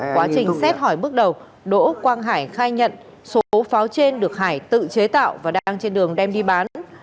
quá trình xét hỏi bước đầu đỗ quang hải khai nhận số pháo trên được hải tự chế tạo và đang trên đường đem đi bán